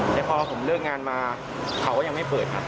แต่พอผมเลิกงานมาเขาก็ยังไม่เปิดครับ